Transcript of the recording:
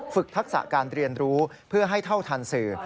ทักษะการเรียนรู้เพื่อให้เท่าทันสื่อ